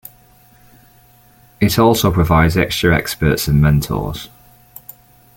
It also provides extra experts and mentors.